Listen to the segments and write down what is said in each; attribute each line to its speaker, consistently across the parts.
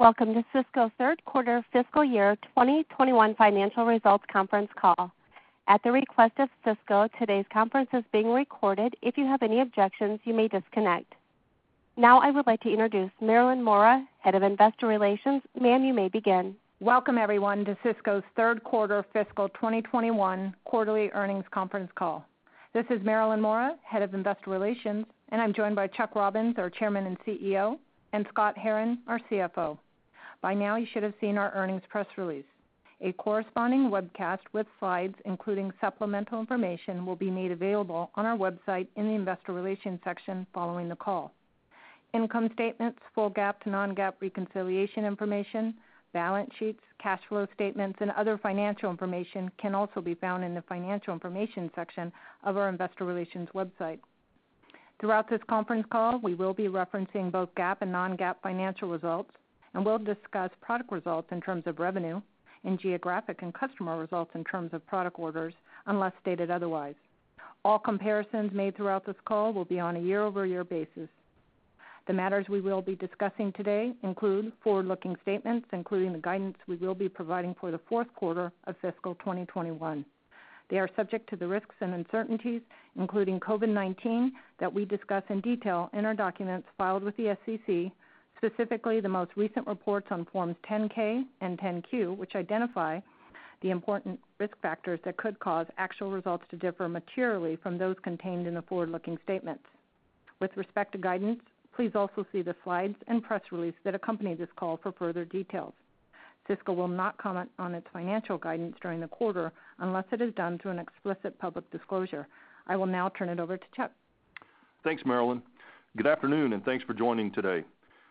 Speaker 1: Welcome to Cisco's Third Quarter Fiscal Year 2021 Financial Results Conference Call. At the request of Cisco, today's conference is being recorded. If you have any objections, you may disconnect. Now I would like to introduce Marilyn Mora, Head of Investor Relations. Ma'am, you may begin.
Speaker 2: Welcome everyone to Cisco's third quarter fiscal 2021 quarterly earnings conference call. This is Marilyn Mora, Head of Investor Relations, and I'm joined by Chuck Robbins, our Chairman and CEO, and Scott Herren, our CFO. By now you should have seen our earnings press release. A corresponding webcast with slides, including supplemental information, will be made available on our website in the Investor Relations section following the call. Income statements, full GAAP to non-GAAP reconciliation information, balance sheets, cash flow statements, and other financial information can also be found in the financial information section of our Investor Relations website. Throughout this conference call, we will be referencing both GAAP and non-GAAP financial results, and we'll discuss product results in terms of revenue and geographic and customer results in terms of product orders, unless stated otherwise. All comparisons made throughout this call will be on a year-over-year basis. The matters we will be discussing today include forward-looking statements, including the guidance we will be providing for the fourth quarter of fiscal 2021. They are subject to the risks and uncertainties, including COVID-19, that we discuss in detail in our documents filed with the SEC, specifically the most recent reports on forms 10-K and 10-Q, which identify the important risk factors that could cause actual results to differ materially from those contained in the forward-looking statements. With respect to guidance, please also see the slides and press release that accompany this call for further details. Cisco will not comment on its financial guidance during the quarter unless it is done through an explicit public disclosure. I will now turn it over to Chuck.
Speaker 3: Thanks, Marilyn. Good afternoon, and thanks for joining today.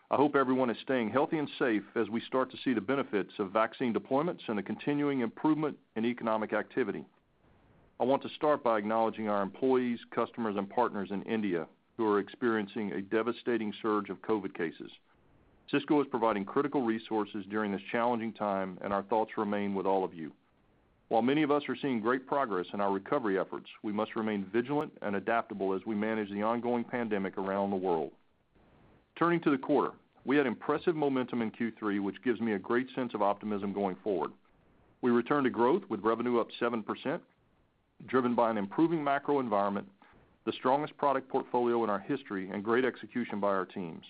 Speaker 3: I hope everyone is staying healthy and safe as we start to see the benefits of vaccine deployments and the continuing improvement in economic activity. I want to start by acknowledging our employees, customers and partners in India who are experiencing a devastating surge of COVID cases. Cisco is providing critical resources during this challenging time, and our thoughts remain with all of you. While many of us are seeing great progress in our recovery efforts, we must remain vigilant and adaptable as we manage the ongoing pandemic around the world. Turning to the quarter, we had impressive momentum in Q3, which gives me a great sense of optimism going forward. We returned to growth with revenue up 7%, driven by an improving macro environment, the strongest product portfolio in our history, and great execution by our teams.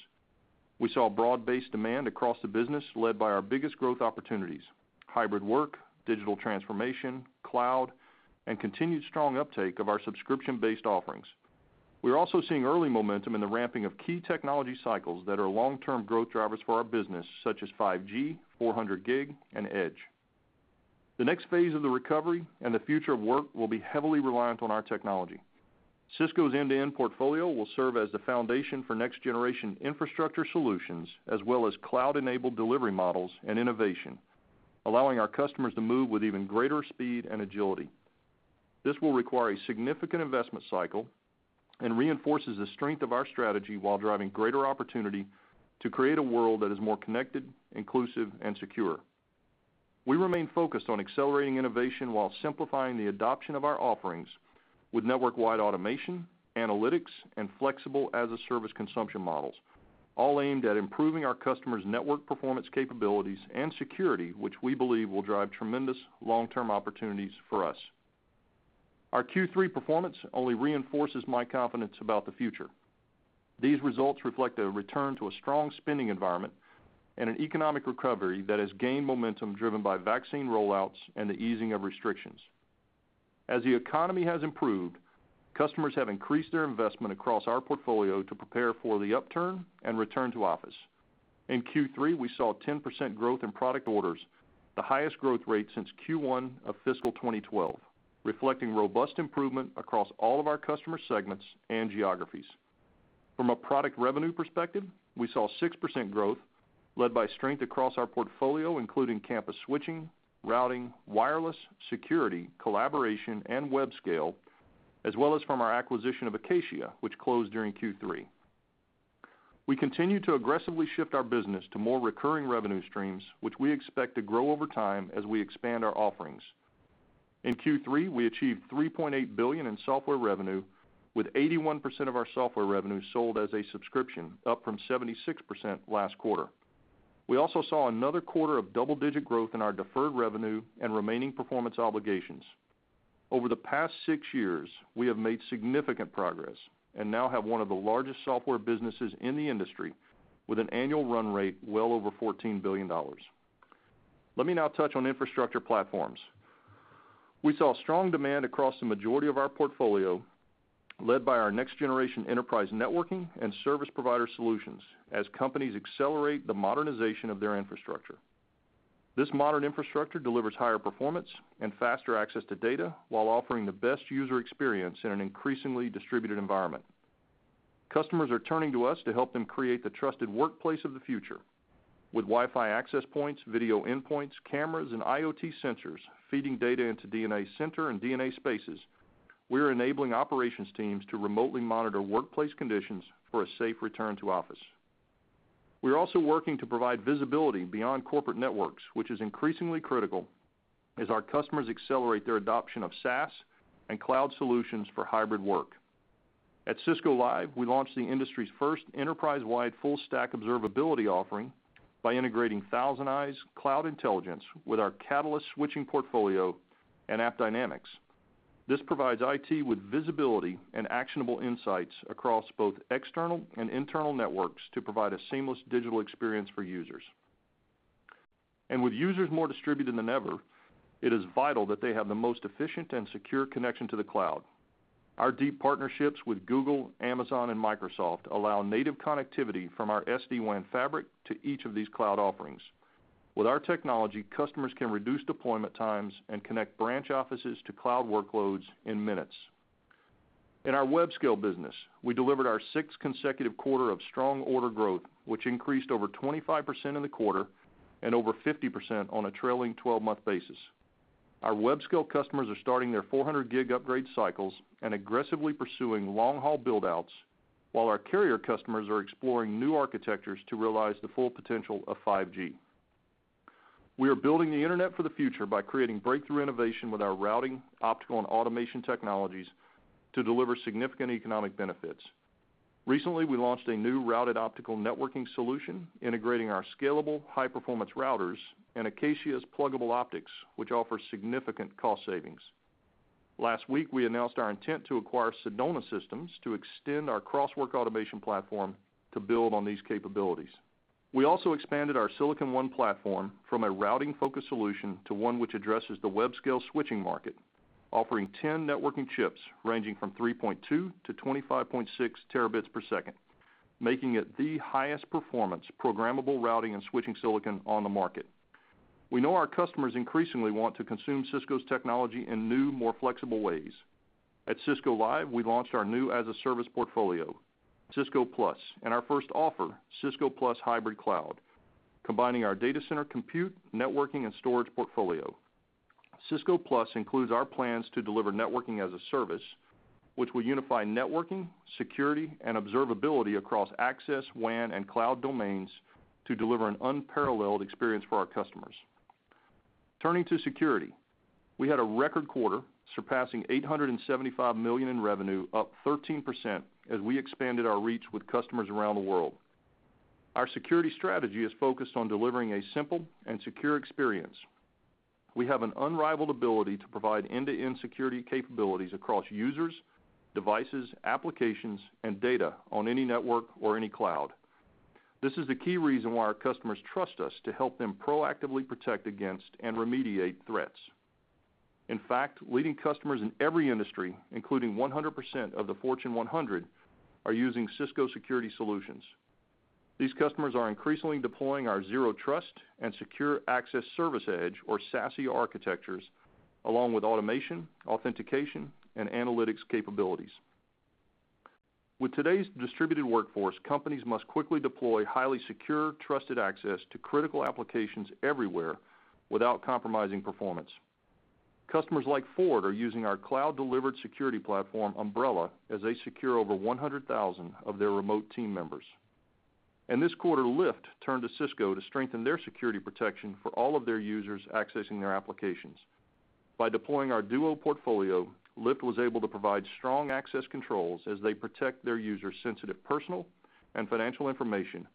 Speaker 3: We saw broad-based demand across the business led by our biggest growth opportunities: hybrid work, digital transformation, cloud, and continued strong uptake of our subscription-based offerings. We're also seeing early momentum in the ramping of key technology cycles that are long-term growth drivers for our business, such as 5G, 400G, and Edge. The next phase of the recovery and the future of work will be heavily reliant on our technology. Cisco's end-to-end portfolio will serve as the foundation for next-generation infrastructure solutions as well as cloud-enabled delivery models and innovation, allowing our customers to move with even greater speed and agility. This will require a significant investment cycle and reinforces the strength of our strategy while driving greater opportunity to create a world that is more connected, inclusive, and secure. We remain focused on accelerating innovation while simplifying the adoption of our offerings with network-wide automation, analytics, and flexible as-a-service consumption models, all aimed at improving our customers' network performance capabilities and security, which we believe will drive tremendous long-term opportunities for us. Our Q3 performance only reinforces my confidence about the future. These results reflect a return to a strong spending environment and an economic recovery that has gained momentum driven by vaccine rollouts and the easing of restrictions. As the economy has improved, customers have increased their investment across our portfolio to prepare for the upturn and return to office. In Q3, we saw a 10% growth in product orders, the highest growth rate since Q1 of fiscal 2012, reflecting robust improvement across all of our customer segments and geographies. From a product revenue perspective, we saw 6% growth led by strength across our portfolio, including campus switching, routing, wireless, security, collaboration, and web scale, as well as from our acquisition of Acacia, which closed during Q3. We continue to aggressively shift our business to more recurring revenue streams, which we expect to grow over time as we expand our offerings. In Q3, we achieved $3.8 billion in software revenue, with 81% of our software revenue sold as a subscription, up from 76% last quarter. We also saw another quarter of double-digit growth in our deferred revenue and remaining performance obligations. Over the past six years, we have made significant progress and now have one of the largest software businesses in the industry with an annual run rate well over $14 billion. Let me now touch on infrastructure platforms. We saw strong demand across the majority of our portfolio, led by our next-generation enterprise networking and service provider solutions as companies accelerate the modernization of their infrastructure. This modern infrastructure delivers higher performance and faster access to data while offering the best user experience in an increasingly distributed environment. Customers are turning to us to help them create the trusted workplace of the future. With Wi-Fi access points, video endpoints, cameras, and IoT sensors feeding data into DNA Center and DNA Spaces, we are enabling operations teams to remotely monitor workplace conditions for a safe return to office. We are also working to provide visibility beyond corporate networks, which is increasingly critical as our customers accelerate their adoption of SaaS and cloud solutions for hybrid work. At Cisco Live, we launched the industry's first enterprise-wide full stack observability offering by integrating ThousandEyes cloud intelligence with our Catalyst switching portfolio and AppDynamics. This provides IT with visibility and actionable insights across both external and internal networks to provide a seamless digital experience for users. With users more distributed than ever, it is vital that they have the most efficient and secure connection to the cloud. Our deep partnerships with Google, Amazon, and Microsoft allow native connectivity from our SD-WAN fabric to each of these cloud offerings. With our technology, customers can reduce deployment times and connect branch offices to cloud workloads in minutes. In our web scale business, we delivered our sixth consecutive quarter of strong order growth, which increased over 25% in the quarter and over 50% on a trailing 12-month basis. Our web scale customers are starting their 400 gig upgrade cycles and aggressively pursuing long-haul build-outs, while our carrier customers are exploring new architectures to realize the full potential of 5G. We are building the internet for the future by creating breakthrough innovation with our routing, optical, and automation technologies to deliver significant economic benefits. Recently, we launched a new routed optical networking solution integrating our scalable high-performance routers and Acacia's pluggable optics, which offer significant cost savings. Last week, we announced our intent to acquire Sedona Systems to extend our Crosswork Automation platform to build on these capabilities. We also expanded our Silicon One platform from a routing-focused solution to one which addresses the web scale switching market, offering 10 networking chips ranging from 3.2 to 25.6 terabits per second, making it the highest performance programmable routing and switching silicon on the market. We know our customers increasingly want to consume Cisco's technology in new, more flexible ways. At Cisco Live, we launched our new as-a-service portfolio, Cisco Plus, and our first offer, Cisco Plus Hybrid Cloud, combining our data center compute, networking, and storage portfolio. Cisco Plus includes our plans to deliver networking as a service, which will unify networking, security, and observability across access, WAN, and cloud domains to deliver an unparalleled experience for our customers. Turning to security, we had a record quarter surpassing $875 million in revenue, up 13% as we expanded our reach with customers around the world. Our security strategy is focused on delivering a simple and secure experience. We have an unrivaled ability to provide end-to-end security capabilities across users, devices, applications, and data on any network or any cloud. This is the key reason why our customers trust us to help them proactively protect against and remediate threats. In fact, leading customers in every industry, including 100% of the Fortune 100, are using Cisco security solutions. These customers are increasingly deploying our Zero Trust and Secure Access Service Edge, or SASE architectures, along with automation, authentication, and analytics capabilities. With today's distributed workforce, companies must quickly deploy highly secure, trusted access to critical applications everywhere without compromising performance. Customers like Ford are using our cloud-delivered security platform, Umbrella, as they secure over 100,000 of their remote team members. This quarter, Lyft turned to Cisco to strengthen their security protection for all of their users accessing their applications. By deploying our Duo portfolio, Lyft was able to provide strong access controls as they protect their users' sensitive personal and financial information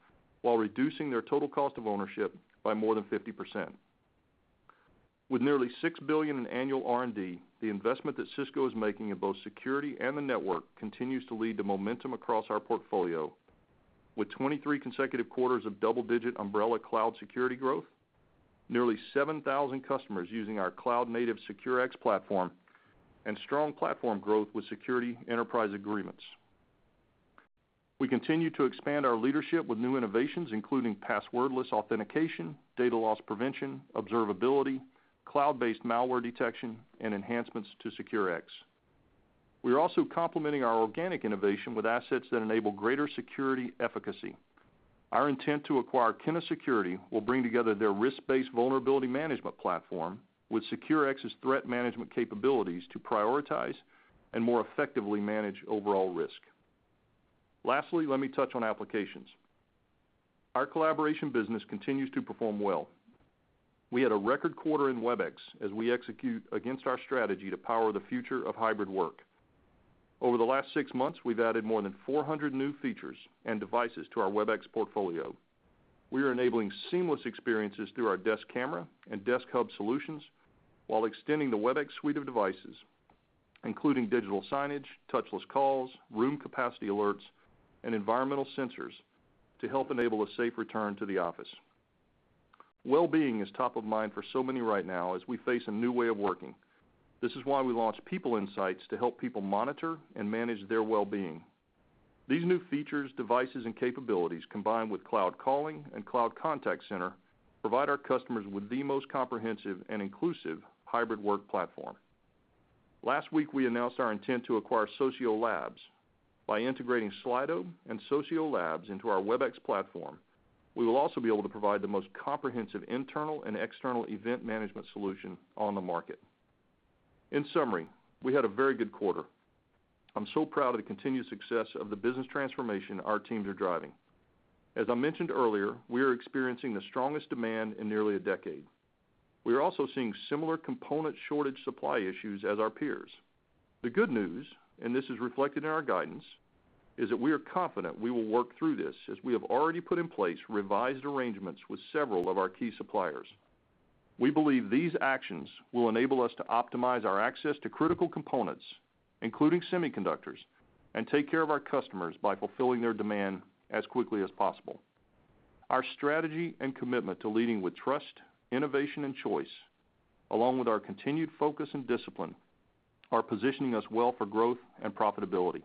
Speaker 3: while reducing their total cost of ownership by more than 50%. With nearly $6 billion in annual R&D, the investment that Cisco is making in both security and the network continues to lead to momentum across our portfolio. With 23 consecutive quarters of double-digit Umbrella cloud security growth, nearly 7,000 customers using our cloud-native SecureX platform, and strong platform growth with security enterprise agreements. We continue to expand our leadership with new innovations, including passwordless authentication, data loss prevention, observability, cloud-based malware detection, and enhancements to SecureX. Our intent to acquire Kenna Security will bring together their risk-based vulnerability management platform with SecureX's threat management capabilities to prioritize and more effectively manage overall risk. Let me touch on applications. Our collaboration business continues to perform well. We had a record quarter in Webex as we execute against our strategy to power the future of hybrid work. Over the last six months, we've added more than 400 new features and devices to our Webex portfolio. We are enabling seamless experiences through our Desk Camera and Desk Hub solutions while extending the Webex suite of devices, including digital signage, touchless calls, room capacity alerts, and environmental sensors to help enable a safe return to the office. Wellbeing is top of mind for so many right now as we face a new way of working. This is why we launched People Insights to help people monitor and manage their wellbeing. These new features, devices, and capabilities, combined with Webex Calling and Webex Contact Center, provide our customers with the most comprehensive and inclusive hybrid work platform. Last week, we announced our intent to acquire Socio Labs. By integrating Slido and Socio Labs into our Webex platform, we will also be able to provide the most comprehensive internal and external event management solution on the market. In summary, we had a very good quarter. I'm so proud of the continued success of the business transformation our teams are driving. As I mentioned earlier, we are experiencing the strongest demand in nearly a decade. We are also seeing similar component shortage supply issues as our peers. The good news, and this is reflected in our guidance, is that we are confident we will work through this as we have already put in place revised arrangements with several of our key suppliers. We believe these actions will enable us to optimize our access to critical components, including semiconductors, and take care of our customers by fulfilling their demand as quickly as possible. Our strategy and commitment to leading with trust, innovation, and choice, along with our continued focus and discipline, are positioning us well for growth and profitability.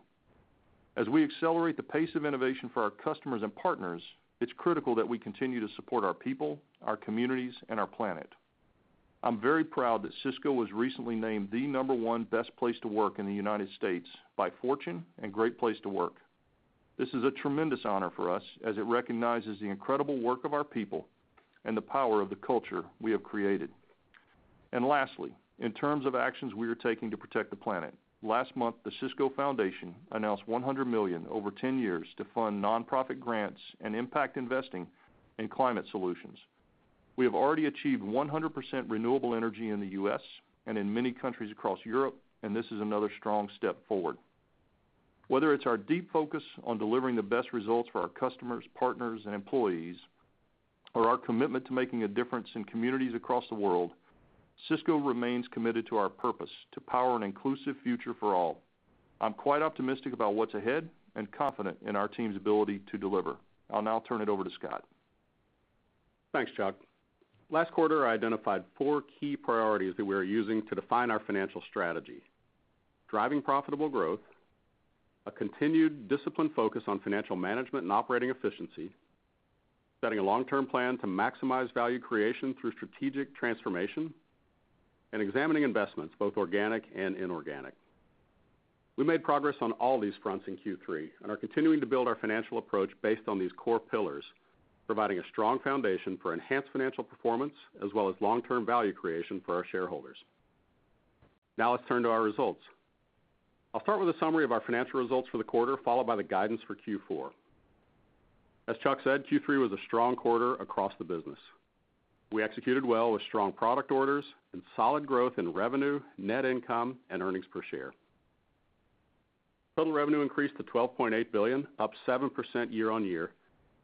Speaker 3: As we accelerate the pace of innovation for our customers and partners, it's critical that we continue to support our people, our communities, and our planet. I'm very proud that Cisco was recently named the number one best place to work in the U.S. by Fortune and Great Place to Work. This is a tremendous honor for us, as it recognizes the incredible work of our people and the power of the culture we have created. Lastly, in terms of actions we are taking to protect the planet, last month, the Cisco Foundation announced $100 million over 10 years to fund nonprofit grants and impact investing in climate solutions. We have already achieved 100% renewable energy in the U.S. and in many countries across Europe. This is another strong step forward. Whether it's our deep focus on delivering the best results for our customers, partners, and employees, or our commitment to making a difference in communities across the world, Cisco remains committed to our purpose to power an inclusive future for all. I'm quite optimistic about what's ahead and confident in our team's ability to deliver. I'll now turn it over to Scott.
Speaker 4: Thanks, Chuck. Last quarter, I identified four key priorities that we are using to define our financial strategy. Driving profitable growth, a continued disciplined focus on financial management and operating efficiency, setting a long-term plan to maximize value creation through strategic transformation, and examining investments, both organic and inorganic. We made progress on all these fronts in Q3 and are continuing to build our financial approach based on these core pillars, providing a strong foundation for enhanced financial performance as well as long-term value creation for our shareholders. Let's turn to our results. I'll start with a summary of our financial results for the quarter, followed by the guidance for Q4. As Chuck said, Q3 was a strong quarter across the business. We executed well with strong product orders and solid growth in revenue, net income, and earnings per share. Total revenue increased to $12.8 billion, up 7% year-on-year,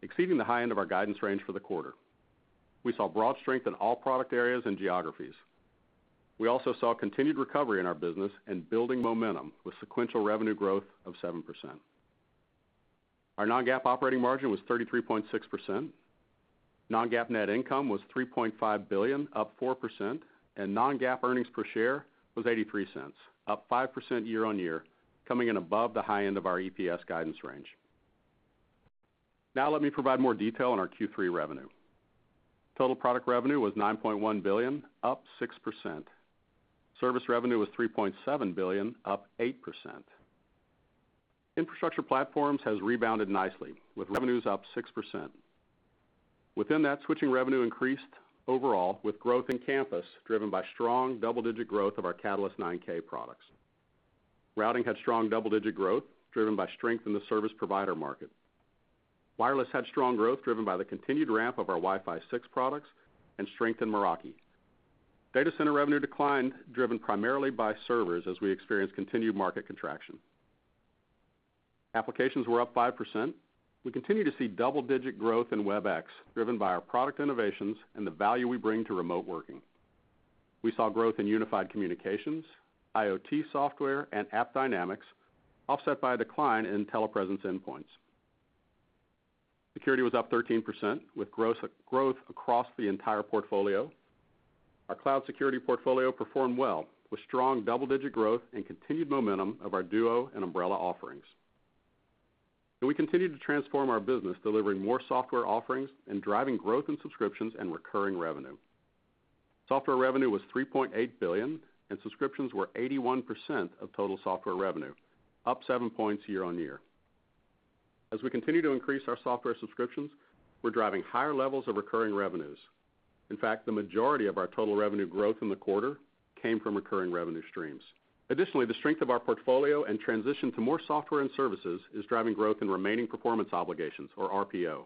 Speaker 4: exceeding the high end of our guidance range for the quarter. We saw broad strength in all product areas and geographies. We also saw continued recovery in our business and building momentum with sequential revenue growth of 7%. Our non-GAAP operating margin was 33.6%. non-GAAP net income was $3.5 billion, up 4%, and non-GAAP earnings per share was $0.83, up 5% year-on-year, coming in above the high end of our EPS guidance range. Now let me provide more detail on our Q3 revenue. Total product revenue was $9.1 billion, up 6%. Service revenue was $3.7 billion, up 8%. Infrastructure platforms has rebounded nicely, with revenues up 6%. Within that, switching revenue increased overall with growth in campus, driven by strong double-digit growth of our Catalyst 9K products. Routing had strong double-digit growth, driven by strength in the service provider market. Wireless had strong growth, driven by the continued ramp of our Wi-Fi 6 products and strength in Meraki. Data center revenue declined, driven primarily by servers as we experienced continued market contraction. Applications were up 5%. We continue to see double-digit growth in Webex, driven by our product innovations and the value we bring to remote working. We saw growth in unified communications, IoT Software, and AppDynamics, offset by a decline in TelePresence endpoints. Security was up 13%, with growth across the entire portfolio. Our cloud security portfolio performed well with strong double-digit growth and continued momentum of our Duo and Umbrella offerings. We continued to transform our business, delivering more software offerings and driving growth in subscriptions and recurring revenue. Software revenue was $3.8 billion, and subscriptions were 81% of total software revenue, up 7 points year-on-year. As we continue to increase our software subscriptions, we're driving higher levels of recurring revenues. In fact, the majority of our total revenue growth in the quarter came from recurring revenue streams. Additionally, the strength of our portfolio and transition to more software and services is driving growth in remaining performance obligations, or RPO.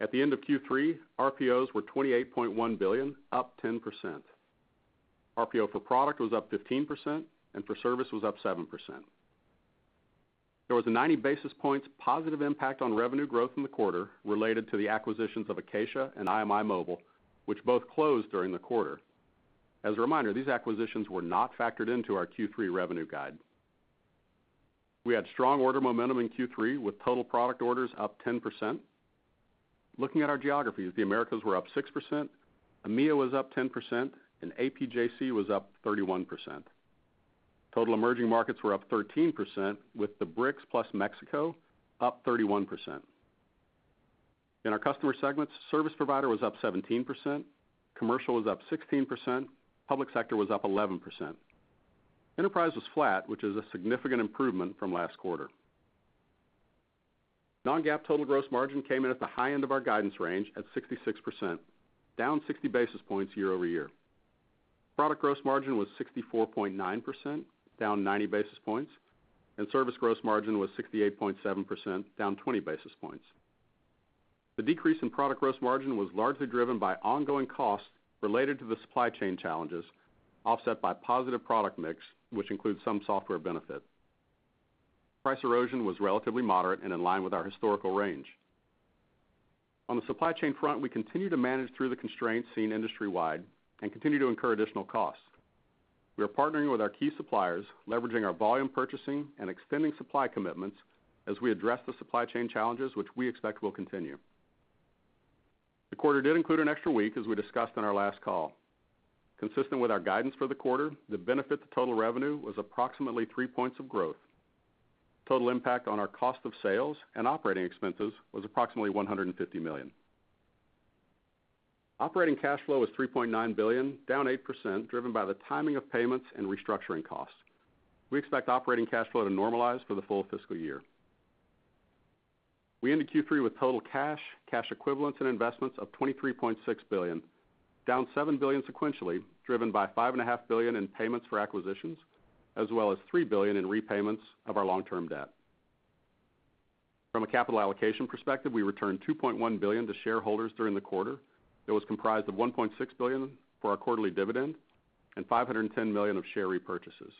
Speaker 4: At the end of Q3, RPOs were $28.1 billion, up 10%. RPO for product was up 15% and for service was up 7%. There was a 90 basis points positive impact on revenue growth in the quarter related to the acquisitions of Acacia and IMImobile, which both closed during the quarter. As a reminder, these acquisitions were not factored into our Q3 revenue guide. We had strong order momentum in Q3 with total product orders up 10%. Looking at our geographies, the Americas were up 6%, EMEA was up 10%, and APJC was up 31%. Total emerging markets were up 13%, with the BRICS plus Mexico up 31%. In our customer segments, service provider was up 17%, commercial was up 16%, public sector was up 11%. Enterprise was flat, which is a significant improvement from last quarter. Non-GAAP total gross margin came in at the high end of our guidance range at 66%, down 60 basis points year-over-year. Product gross margin was 64.9%, down 90 basis points, and service gross margin was 68.7%, down 20 basis points. The decrease in product gross margin was largely driven by ongoing costs related to the supply chain challenges, offset by positive product mix, which includes some software benefits. Price erosion was relatively moderate and in line with our historical range. On the supply chain front, we continue to manage through the constraints seen industry-wide and continue to incur additional costs. We are partnering with our key suppliers, leveraging our volume purchasing and extending supply commitments as we address the supply chain challenges which we expect will continue. The quarter did include an extra week, as we discussed on our last call. Consistent with our guidance for the quarter, the benefit to total revenue was approximately 3 points of growth. Total impact on our cost of sales and operating expenses was approximately $150 million. Operating cash flow was $3.9 billion, down 8%, driven by the timing of payments and restructuring costs. We expect operating cash flow to normalize for the full fiscal year. We ended Q3 with total cash equivalents and investments of $23.6 billion, down $7 billion sequentially, driven by $five and a half billion in payments for acquisitions, as well as $3 billion in repayments of our long-term debt. From a capital allocation perspective, we returned $2.1 billion to shareholders during the quarter. It was comprised of $1.6 billion for our quarterly dividend and $510 million of share repurchases.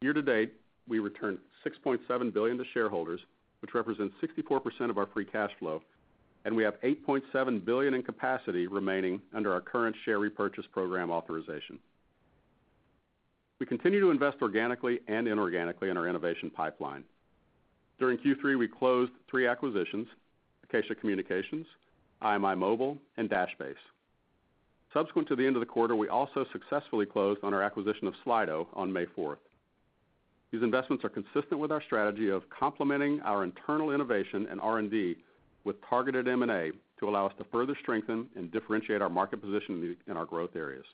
Speaker 4: Year-to-date, we returned $6.7 billion to shareholders, which represents 64% of our free cash flow. We have $8.7 billion in capacity remaining under our current share repurchase program authorization. We continue to invest organically and inorganically in our innovation pipeline. During Q3, we closed three acquisitions, Acacia Communications, IMImobile, and Dashbase. Subsequent to the end of the quarter, we also successfully closed on our acquisition of Slido on May fourth. These investments are consistent with our strategy of complementing our internal innovation and R&D with targeted M&A to allow us to further strengthen and differentiate our market position in our growth areas.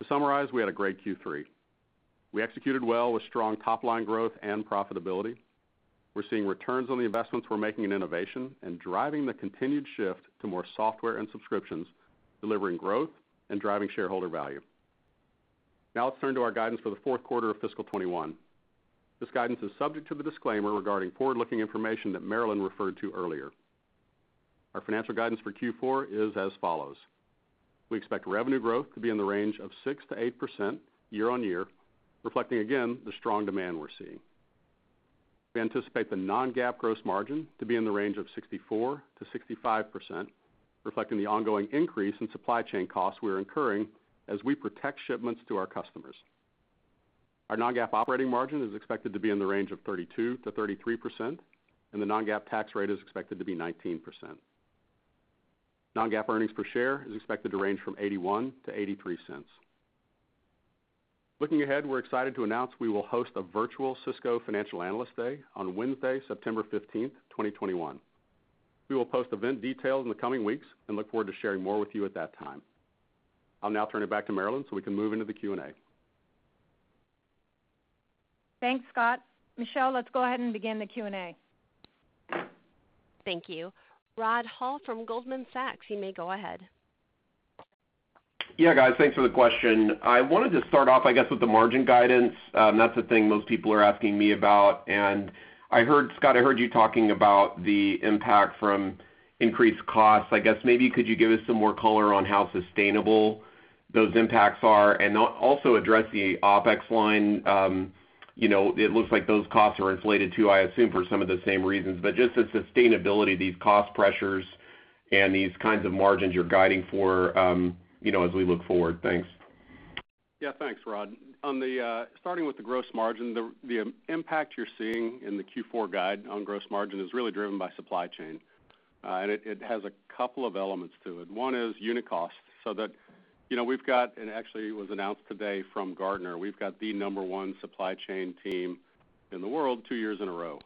Speaker 4: To summarize, we had a great Q3. We executed well with strong top-line growth and profitability. We're seeing returns on the investments we're making in innovation and driving the continued shift to more software and subscriptions, delivering growth and driving shareholder value. Let's turn to our guidance for the fourth quarter of fiscal 2021. This guidance is subject to the disclaimer regarding forward-looking information that Marilyn referred to earlier. Our financial guidance for Q4 is as follows. We expect revenue growth to be in the range of 6%-8% year-on-year, reflecting again the strong demand we're seeing. We anticipate the non-GAAP gross margin to be in the range of 64%-65%, reflecting the ongoing increase in supply chain costs we're incurring as we protect shipments to our customers. Our non-GAAP operating margin is expected to be in the range of 32%-33%. The non-GAAP tax rate is expected to be 19%. Non-GAAP earnings per share is expected to range from $0.81-$0.83. Looking ahead, we're excited to announce we will host a virtual Cisco Financial Analyst Day on Wednesday, September 15th, 2021. We will post event details in the coming weeks and look forward to sharing more with you at that time. I'll now turn it back to Marilyn so we can move into the Q&A.
Speaker 2: Thanks, Scott. Michelle, let's go ahead and begin the Q&A.
Speaker 1: Thank you. Rod Hall from Goldman Sachs, you may go ahead.
Speaker 5: Yeah, guys, thanks for the question. I wanted to start off, I guess, with the margin guidance. That's the thing most people are asking me about. I heard, Scott, I heard you talking about the impact from increased costs. I guess maybe could you give us some more color on how sustainable those impacts are and also address the OpEx line. You know, it looks like those costs are inflated too, I assume, for some of the same reasons. Just the sustainability, these cost pressures and these kinds of margins you're guiding for, you know, as we look forward. Thanks.
Speaker 4: Thanks, Rod. On the starting with the gross margin, the impact you're seeing in the Q4 guide on gross margin is really driven by supply chain. It has a couple of elements to it. One is unit cost. That, you know, we've got, actually it was announced today from Gartner, we've got the number one supply chain team in the world two years in a row.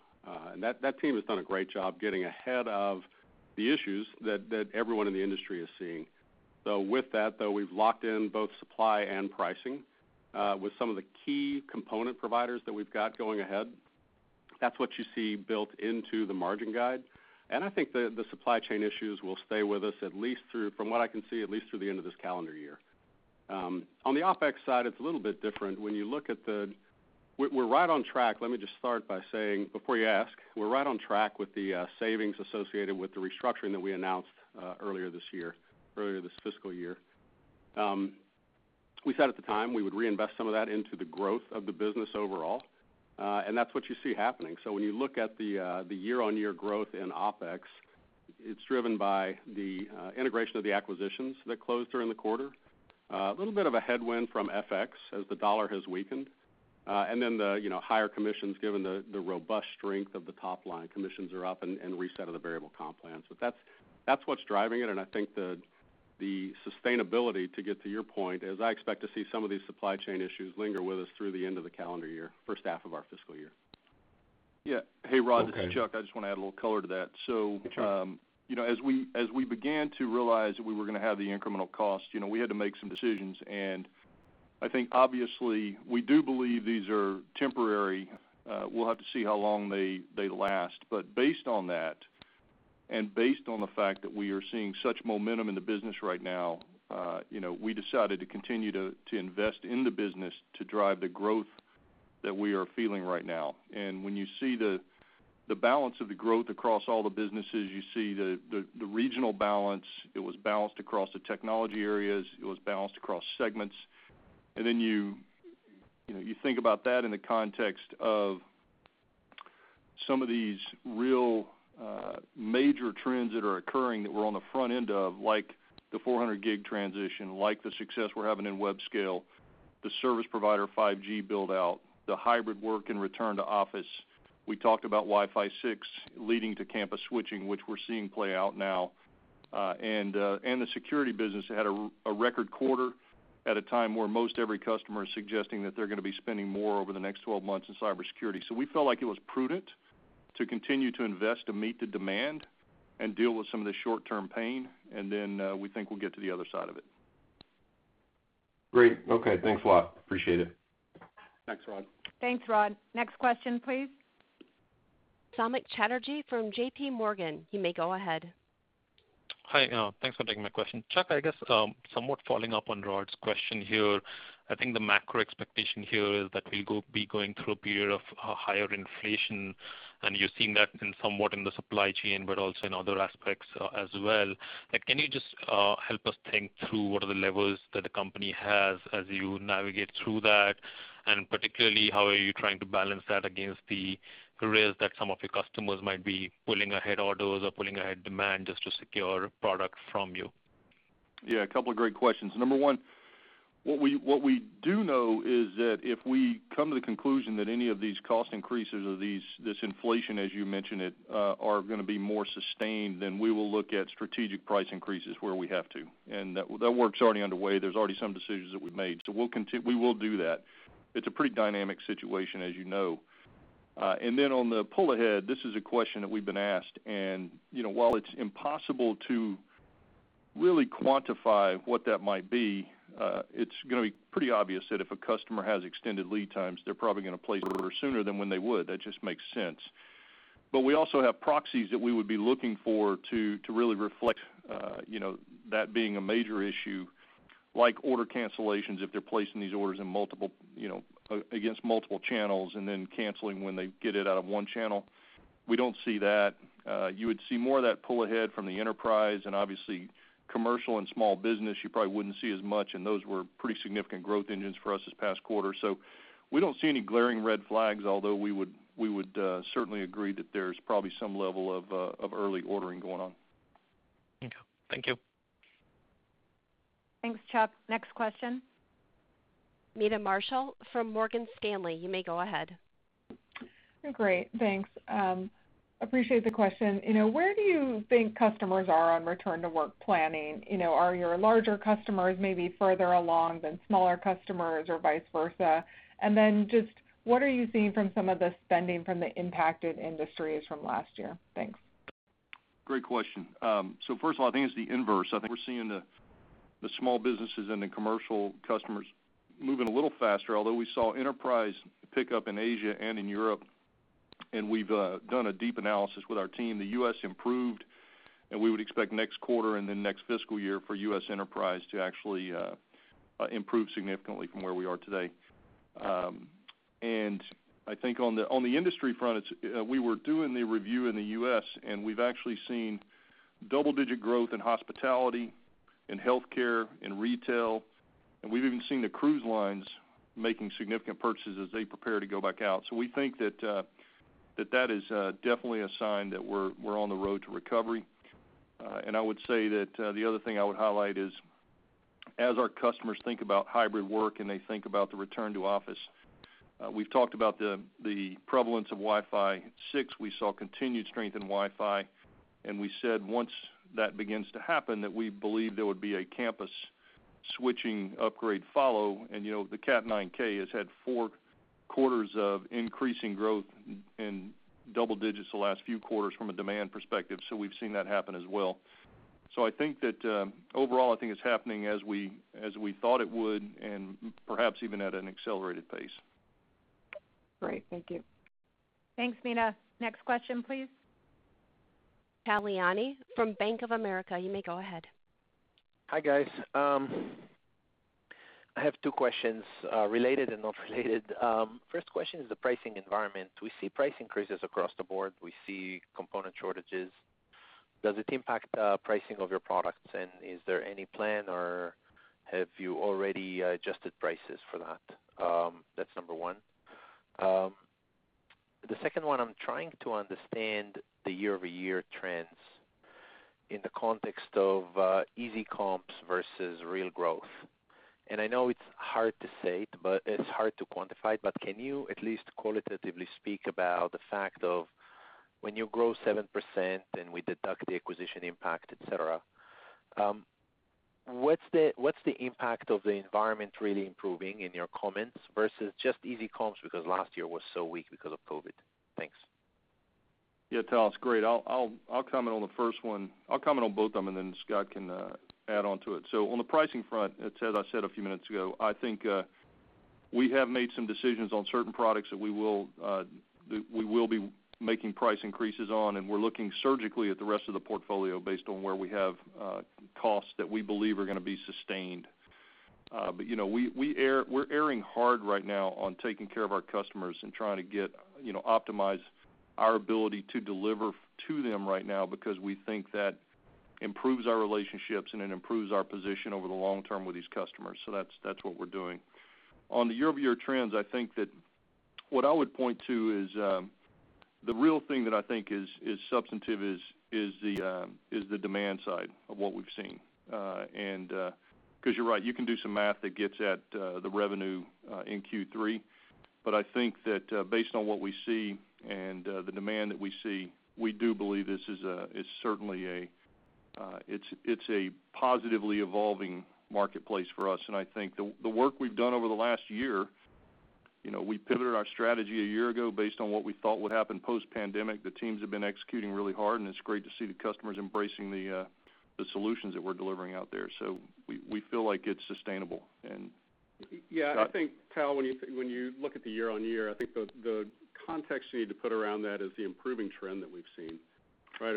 Speaker 4: That team has done a great job getting ahead of the issues that everyone in the industry is seeing. With that, though, we've locked in both supply and pricing with some of the key component providers that we've got going ahead. That's what you see built into the margin guide. I think the supply chain issues will stay with us at least through, from what I can see, at least through the end of this calendar year. On the OpEx side, it's a little bit different. We're right on track. Let me just start by saying, before you ask, we're right on track with the savings associated with the restructuring that we announced earlier this year, earlier this fiscal year. We said at the time we would reinvest some of that into the growth of the business overall, that's what you see happening. When you look at the year on year growth in OpEx, it's driven by the integration of the acquisitions that closed during the quarter. A little bit of a headwind from FX as the dollar has weakened. The, you know, higher commissions given the robust strength of the top line. Commissions are up and reset of the variable comp plans. That's what's driving it, and I think the sustainability, to get to your point, is I expect to see some of these supply chain issues linger with us through the end of the calendar year, first half of our fiscal year.
Speaker 3: Yeah. Hey, Rod, this is Chuck. I just want to add a little color to that. you know, as we began to realize that we were gonna have the incremental cost, you know, we had to make some decisions. I think obviously we do believe these are temporary. we'll have to see how long they last. Based on that, and based on the fact that we are seeing such momentum in the business right now, you know, we decided to continue to invest in the business to drive the growth that we are feeling right now. When you see the balance of the growth across all the businesses, you see the regional balance, it was balanced across the technology areas, it was balanced across segments. You, you know, you think about that in the context of some of these real, major trends that are occurring that we're on the front end of, like the 400G transition, like the success we're having in web scale, the service provider 5G build-out, the hybrid work and return to office. We talked about Wi-Fi 6 leading to campus switching, which we're seeing play out now. The security business had a record quarter at a time where most every customer is suggesting that they're gonna be spending more over the next 12 months in cybersecurity. We felt like it was prudent to continue to invest to meet the demand and deal with some of the short-term pain, and then, we think we'll get to the other side of it.
Speaker 5: Great. Okay. Thanks a lot. Appreciate it.
Speaker 3: Thanks, Rod.
Speaker 2: Thanks, Rod. Next question, please.
Speaker 1: Samik Chatterjee from JPMorgan, you may go ahead.
Speaker 6: Hi. Thanks for taking my question. Chuck, I guess, somewhat following up on Rod's question here. I think the macro expectation here is that we be going through a period of higher inflation, and you're seeing that in somewhat in the supply chain, but also in other aspects, as well. Like, can you just help us think through what are the levels that the company has as you navigate through that? Particularly, how are you trying to balance that against the risks that some of your customers might be pulling ahead orders or pulling ahead demand just to secure product from you?
Speaker 3: Yeah, a couple of great questions. Number one, what we do know is that if we come to the conclusion that any of these cost increases or these, this inflation, as you mentioned it, are gonna be more sustained, we will look at strategic price increases where we have to. That work's already underway. There's already some decisions that we've made. We will do that. It's a pretty dynamic situation, as you know. On the pull ahead, this is a question that we've been asked, you know, while it's impossible to really quantify what that might be, it's gonna be pretty obvious that if a customer has extended lead times, they're probably gonna place orders sooner than when they would. That just makes sense. We also have proxies that we would be looking for to really reflect, you know, that being a major issue, like order cancellations, if they're placing these orders in multiple, you know, against multiple channels and then canceling when they get it out of one channel. We don't see that. You would see more of that pull ahead from the enterprise and obviously commercial and small business, you probably wouldn't see as much, and those were pretty significant growth engines for us this past quarter. We don't see any glaring red flags, although we would certainly agree that there's probably some level of early ordering going on.
Speaker 6: Okay. Thank you.
Speaker 2: Thanks, Chuck. Next question.
Speaker 1: Meta Marshall from Morgan Stanley, you may go ahead.
Speaker 7: Great. Thanks. Appreciate the question. You know, where do you think customers are on return to work planning? You know, are your larger customers maybe further along than smaller customers or vice versa? What are you seeing from some of the spending from the impacted industries from last year? Thanks.
Speaker 3: Great question. First of all, I think it's the inverse. I think we're seeing the small businesses and the commercial customers moving a little faster. Although we saw enterprise pick up in Asia and in Europe, and we've done a deep analysis with our team. The U.S. improved, and we would expect next quarter and then next fiscal year for U.S. enterprise to actually improve significantly from where we are today. I think on the industry front, it's, we were doing the review in the U.S., and we've actually seen double-digit growth in hospitality, in healthcare, in retail, and we've even seen the cruise lines making significant purchases as they prepare to go back out. We think that that is definitely a sign that we're on the road to recovery. I would say that the other thing I would highlight is as our customers think about hybrid work and they think about the return to office, we've talked about the prevalence of Wi-Fi 6, we saw continued strength in Wi-Fi, and we said once that begins to happen, that we believe there would be a campus switching upgrade follow. You know, the Cat 9K has had four quarters of increasing growth in double digits the last few quarters from a demand perspective. We've seen that happen as well. I think that overall, I think it's happening as we, as we thought it would and perhaps even at an accelerated pace.
Speaker 7: Great. Thank you.
Speaker 2: Thanks, Meta. Next question, please.
Speaker 1: Tal Liani from Bank of America, you may go ahead.
Speaker 8: Hi, guys. I have two questions, related and not related. First question is the pricing environment. We see price increases across the board. We see component shortages. Does it impact pricing of your products, and is there any plan, or have you already adjusted prices for that? That's number one. The second one, I'm trying to understand the year-over-year trends in the context of easy comps versus real growth. I know it's hard to say, but it's hard to quantify, but can you at least qualitatively speak about the fact of when you grow 7%, then we deduct the acquisition impact, et cetera. What's the impact of the environment really improving in your comments versus just easy comps because last year was so weak because of COVID? Thanks.
Speaker 3: Yeah, Tal, it's great. I'll comment on the first one. I'll comment on both of them, and then Scott can add on to it. On the pricing front, as I said a few minutes ago, I think we have made some decisions on certain products that we will, we will be making price increases on, and we're looking surgically at the rest of the portfolio based on where we have costs that we believe are gonna be sustained. But you know, we're airing hard right now on taking care of our customers and trying to get, you know, optimize our ability to deliver to them right now because we think that improves our relationships and it improves our position over the long term with these customers. That's, that's what we're doing. On the year-over-year trends, I think that what I would point to is the real thing that I think is substantive is the demand side of what we've seen. 'Cause you're right, you can do some math that gets at the revenue in Q3. I think that based on what we see and the demand that we see, we do believe this is certainly a positively evolving marketplace for us. I think the work we've done over the last year, you know, we pivoted our strategy a year ago based on what we thought would happen post-pandemic. The teams have been executing really hard, and it's great to see the customers embracing the solutions that we're delivering out there. We feel like it's sustainable. Scott?
Speaker 4: I think, Tal, when you look at the year-over-year, I think the context you need to put around that is the improving trend that we've seen.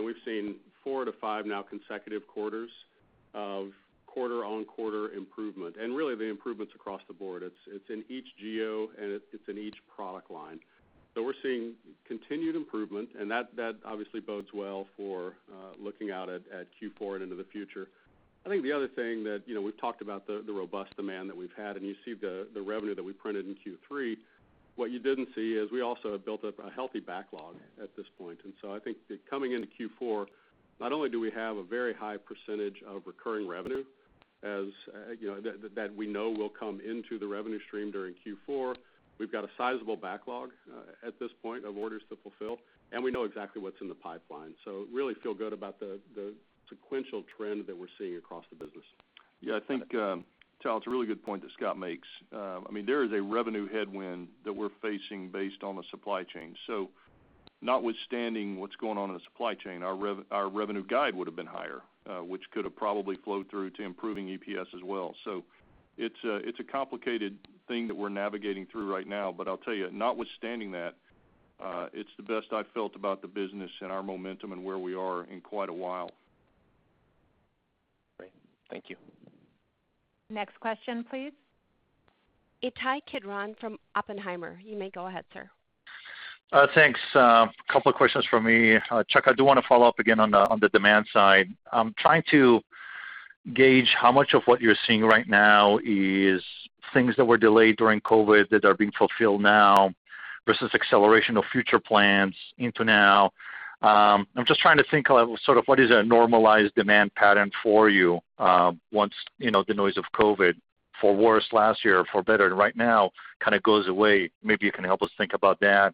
Speaker 4: We've seen four to five now consecutive quarters of quarter-over-quarter improvement, and really the improvements across the board. It's in each geo, and it's in each product line. We're seeing continued improvement, and that obviously bodes well for looking out at Q4 and into the future. I think the other thing that, you know, we've talked about the robust demand that we've had, and you see the revenue that we printed in Q3. What you didn't see is we also have built up a healthy backlog at this point. I think that coming into Q4, not only do we have a very high % of recurring revenue, as, you know, that we know will come into the revenue stream during Q4, we've got a sizable backlog at this point of orders to fulfill, and we know exactly what's in the pipeline. Really feel good about the sequential trend that we're seeing across the business.
Speaker 3: Yeah. I think, Tal, it's a really good point that Scott makes. I mean, there is a revenue headwind that we're facing based on the supply chain. Notwithstanding what's going on in the supply chain, our revenue guide would have been higher, which could have probably flowed through to improving EPS as well. It's a, it's a complicated thing that we're navigating through right now. I'll tell you, notwithstanding that, it's the best I've felt about the business and our momentum and where we are in quite a while.
Speaker 8: Great. Thank you.
Speaker 2: Next question, please.
Speaker 1: Ittai Kidron from Oppenheimer. You may go ahead, sir.
Speaker 9: Thanks. Couple of questions from me. Chuck, I do want to follow up again on the demand side. I'm trying to gauge how much of what you're seeing right now is things that were delayed during COVID that are being fulfilled now versus acceleration of future plans into now. I'm just trying to think of sort of what is a normalized demand pattern for you, once, you know, the noise of COVID for worse last year, for better right now, kind of goes away. Maybe you can help us think about that.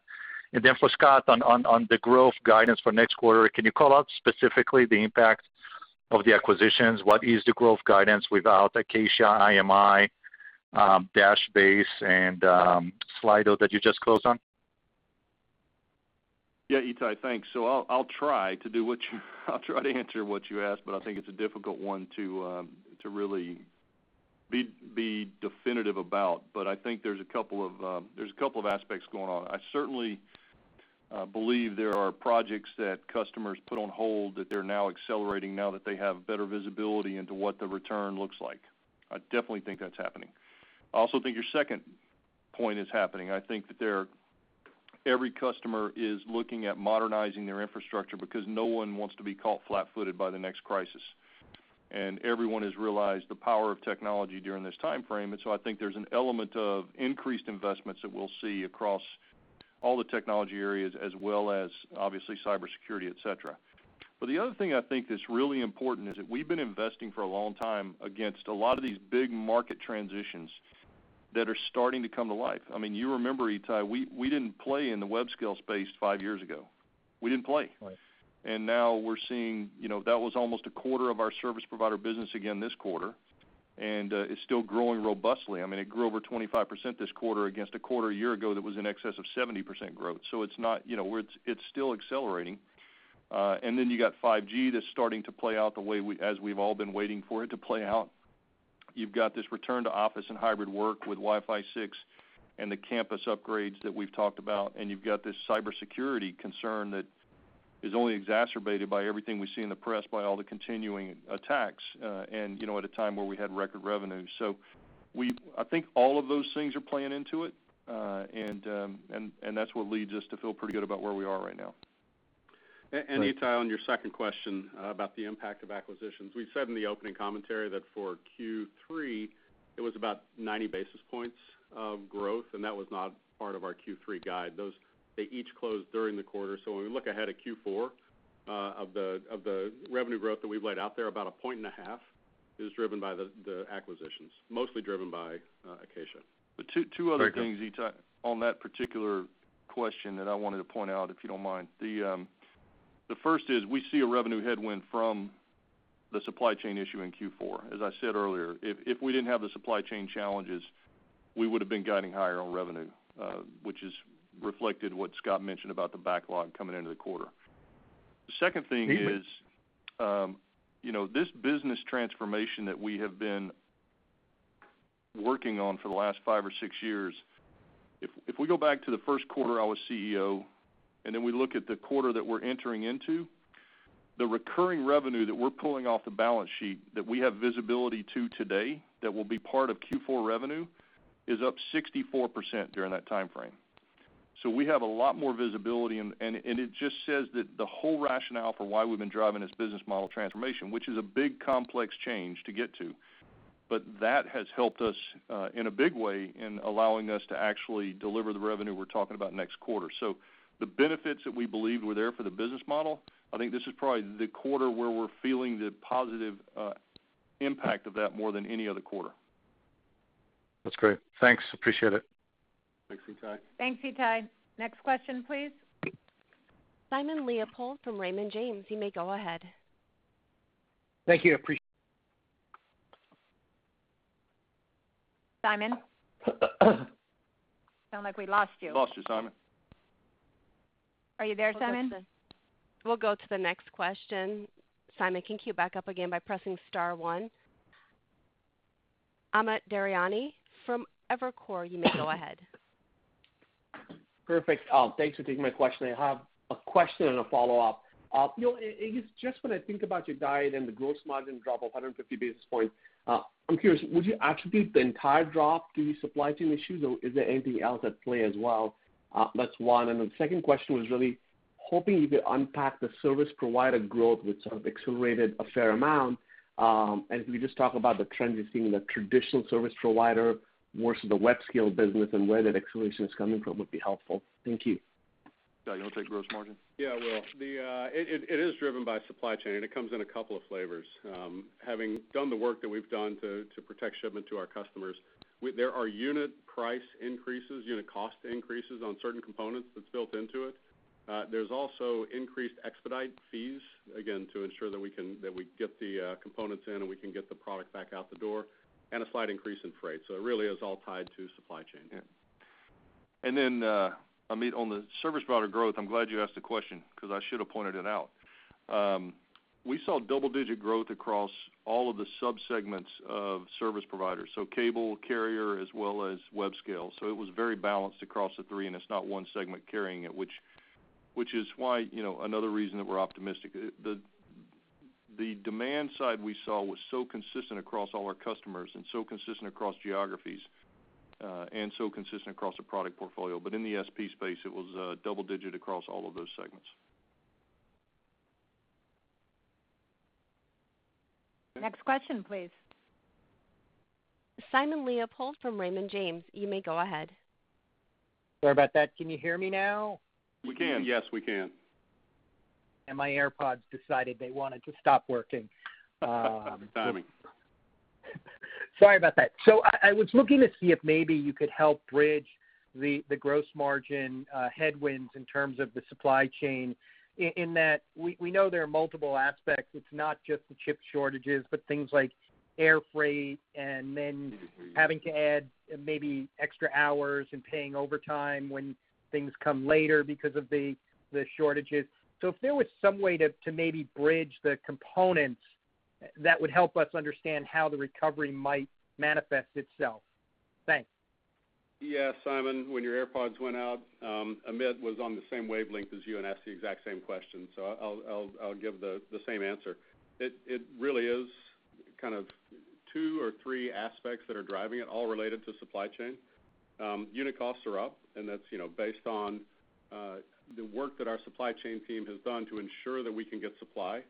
Speaker 9: For Scott, on the growth guidance for next quarter, can you call out specifically the impact of the acquisitions? What is the growth guidance without Acacia, IMI, Dashbase, and Slido that you just closed on?
Speaker 3: Yeah, Ittai. Thanks. I'll try to answer what you asked, but I think it's a difficult one to really be definitive about. I think there's a couple of aspects going on. I certainly believe there are projects that customers put on hold that they're now accelerating now that they have better visibility into what the return looks like. I definitely think that's happening. I also think your second point is happening. I think that they're every customer is looking at modernizing their infrastructure because no one wants to be caught flat-footed by the next crisis. Everyone has realized the power of technology during this timeframe. I think there's an element of increased investments that we'll see across all the technology areas as well as obviously cybersecurity, et cetera. The other thing I think that's really important is that we've been investing for a long time against a lot of these big market transitions that are starting to come to life. I mean, you remember, Ittai, we didn't play in the web scale space five years ago. We didn't play.
Speaker 9: Right.
Speaker 3: Now we're seeing that was almost a quarter of our service provider business again this quarter, it's still growing robustly. It grew over 25% this quarter against a quarter a year ago that was in excess of 70% growth. It's not, it's still accelerating. You got 5G that's starting to play out the way as we've all been waiting for it to play out. You've got this return to office and hybrid work with Wi-Fi 6 and the campus upgrades that we've talked about, and you've got this cybersecurity concern that is only exacerbated by everything we see in the press by all the continuing attacks, and at a time where we had record revenue. I think all of those things are playing into it, and that's what leads us to feel pretty good about where we are right now.
Speaker 4: Ittai, on your second question about the impact of acquisitions, we said in the opening commentary that for Q3, it was about 90 basis points of growth, and that was not part of our Q3 guide. They each closed during the quarter. When we look ahead at Q4, of the revenue growth that we've laid out there, about 1.5 percentage points is driven by the acquisitions, mostly driven by Acacia.
Speaker 3: Two other things, Ittai, on that particular question that I wanted to point out, if you don't mind. The first is we see a revenue headwind from the supply chain issue in Q4. As I said earlier, if we didn't have the supply chain challenges, we would've been guiding higher on revenue, which is reflected what Scott mentioned about the backlog coming into the quarter. The second thing is, you know, this business transformation that we have been working on for the last five or six years, if we go back to the first quarter I was CEO, and then we look at the quarter that we're entering into, the recurring revenue that we're pulling off the balance sheet that we have visibility to today that will be part of Q4 revenue is up 64% during that timeframe. We have a lot more visibility, and it just says that the whole rationale for why we've been driving this business model transformation, which is a big, complex change to get to, but that has helped us in a big way in allowing us to actually deliver the revenue we're talking about next quarter. The benefits that we believe were there for the business model, I think this is probably the quarter where we're feeling the positive impact of that more than any other quarter.
Speaker 9: That's great. Thanks, appreciate it.
Speaker 3: Thanks, Ittai.
Speaker 2: Thanks, Ittai. Next question, please.
Speaker 1: Simon Leopold from Raymond James, you may go ahead.
Speaker 10: Thank you.
Speaker 4: Simon? Sound like we lost you.
Speaker 3: We lost you, Simon.
Speaker 4: Are you there, Simon?
Speaker 1: We'll go to the next question. Amit Daryanani from Evercore. You may go ahead.
Speaker 11: Perfect. Thanks for taking my question. I have a question and a follow-up. You know, it is just when I think about your guide and the gross margin drop of 150 basis points, I'm curious, would you attribute the entire drop to the supply chain issues, or is there anything else at play as well? That's one. The second question was really hoping you could unpack the service provider growth, which sort of accelerated a fair amount. If we just talk about the trends you're seeing in the traditional service provider versus the web scale business and where that acceleration is coming from would be helpful. Thank you.
Speaker 3: Scott, you wanna take gross margin?
Speaker 4: Yeah, I will. It is driven by supply chain. It comes in a couple of flavors. Having done the work that we've done to protect shipment to our customers, there are unit price increases, unit cost increases on certain components that's built into it. There's also increased expedite fees, again, to ensure that we get the components in and we can get the product back out the door, a slight increase in freight. It really is all tied to supply chain.
Speaker 3: Yeah. Amit on the service provider growth, I'm glad you asked the question 'cause I should have pointed it out. We saw double-digit growth across all of the sub-segments of service providers, so cable, carrier, as well as web scale. It was very balanced across the three, and it's not one segment carrying it, which is why, you know, another reason that we're optimistic. The demand side we saw was so consistent across all our customers and so consistent across geographies, and so consistent across the product portfolio. In the SP space, it was double digit across all of those segments.
Speaker 2: Next question, please.
Speaker 1: Simon Leopold from Raymond James, you may go ahead.
Speaker 10: Sorry about that. Can you hear me now?
Speaker 3: We can.
Speaker 4: Yes, we can.
Speaker 10: my AirPods decided they wanted to stop working.
Speaker 3: Timing.
Speaker 10: Sorry about that. I was looking to see if maybe you could help bridge the gross margin headwinds in terms of the supply chain in that we know there are multiple aspects. It's not just the chip shortages, but things like air freight.
Speaker 3: Air freight.
Speaker 10: Having to add maybe extra hours and paying overtime when things come later because of the shortages. If there was some way to maybe bridge the components, that would help us understand how the recovery might manifest itself. Thanks.
Speaker 3: Simon, when your AirPods went out, Amit was on the same wavelength as you and asked the exact same question, so I'll give the same answer. It really is kind of two or three aspects that are driving it, all related to supply chain. Unit costs are up, and that's, you know, based on the work that our supply chain team has done to ensure that we can get supply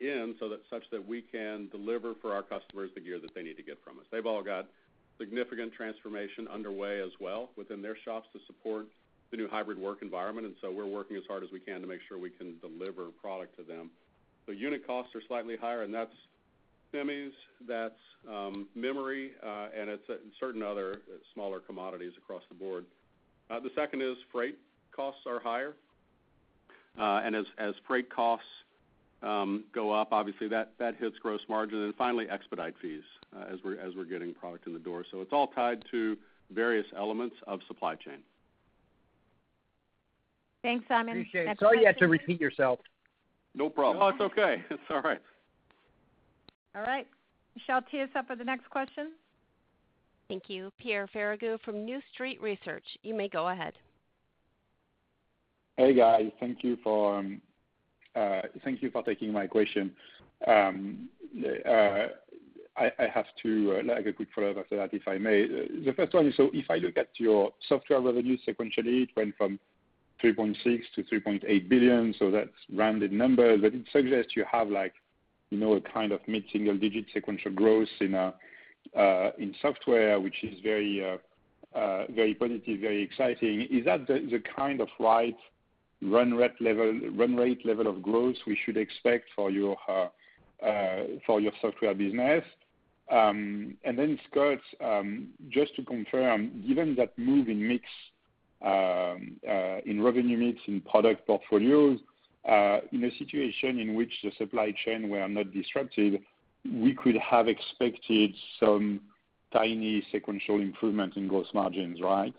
Speaker 3: in so that such that we can deliver for our customers the gear that they need to get from us. They've all got significant transformation underway as well within their shops to support the new hybrid work environment, we're working as hard as we can to make sure we can deliver product to them. The unit costs are slightly higher, and that's SIMMs, that's memory, and it's certain other smaller commodities across the board. The second is freight costs are higher. As freight costs go up, obviously that hits gross margin. Finally, expedite fees, as we're getting product in the door. It's all tied to various elements of supply chain.
Speaker 4: Thanks, Simon.
Speaker 10: Appreciate it.
Speaker 2: Next question.
Speaker 10: Sorry you had to repeat yourself.
Speaker 3: No problem.
Speaker 2: No, it's okay. It's all right. All right. Michelle, tee us up for the next question.
Speaker 1: Thank you. Pierre Ferragu from New Street Research, you may go ahead.
Speaker 12: Hey, guys. Thank you for, thank you for taking my question. I have two, like a quick follow-up after that, if I may. The first one is if I look at your software revenue sequentially, it went from $3.6 billion-$3.8 billion, so that's rounded number, but it suggests you have like, you know, a kind of mid-single digit sequential growth in software, which is very positive, very exciting. Is that the kind of right run rate level of growth we should expect for your software business? Scott, just to confirm, given that move in mix- In revenue mix, in product portfolios, in a situation in which the supply chain were not disrupted, we could have expected some tiny sequential improvement in gross margins, right?